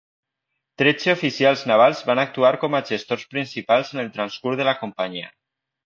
Tretze oficials navals van actuar com a gestors principals en el transcurs de la companyia.